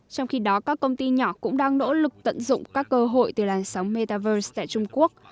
trong khi đó các công ty nhỏ cũng đang nỗ lực tận dụng các cơ hội từ làn sóng metaverse tại trung quốc